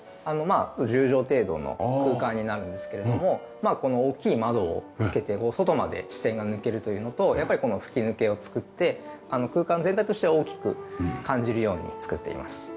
まあ１０畳程度の空間になるんですけれどもこの大きい窓をつけて外まで視線が抜けるというのとやっぱりこの吹き抜けを造って空間全体として大きく感じるように造っています。